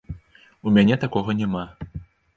У мяне такога няма.